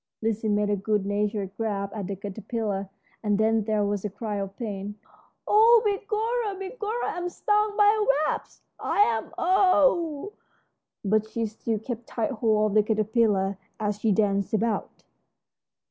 Lizzie made a good natured grab at the caterpillar, and then there was a cry of pain. "Oh, begorra, begorra, I'm stung by a wasp, I am! Ow!" But she still kept tight hold of the caterpillar as she danced about.